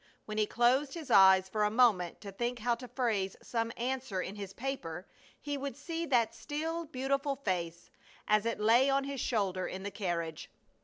When he closed his eyes for a moment to think how to phrase some answer in his paper he would see that still, beautiful face as it lay on his shoulder in the carriage.